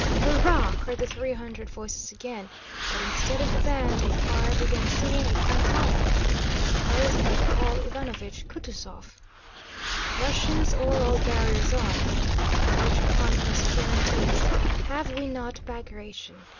"Hurrah!" cried the three hundred voices again, but instead of the band a choir began singing a cantata composed by Paul Ivánovich Kutúzov: Russians! O'er all barriers on! Courage conquest guarantees; Have we not Bagratión?